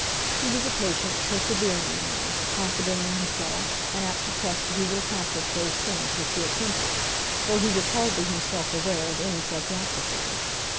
He was a patient, persevering man, confident in himself, and apt to trust that he would accomplish those things which he attempted, though he was hardly himself aware of any such aptitude.